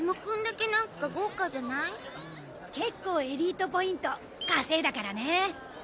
結構エリートポイント稼いだからね！